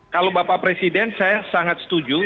kalau bapak presiden saya sangat setuju